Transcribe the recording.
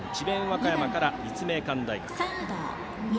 和歌山から立命館大学。